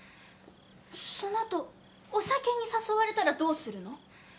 そのあとお酒に誘われたらどうするの？